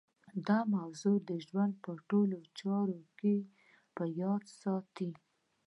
دا موضوع د ژوند په ټولو چارو کې په ياد ساتئ.